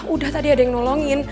udah tadi ada yang nolongin